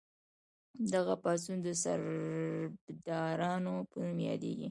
دغه پاڅون د سربدارانو په نوم یادیده.